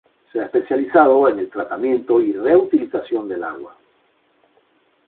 Se ha especializado en el tratamiento y reutilización del agua.